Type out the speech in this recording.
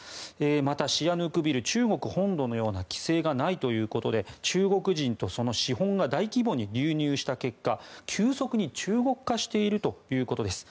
また、シアヌークビルは中国本土のような規制がないということで中国人とその資本が大規模に流入した結果急速に中国化しているということです。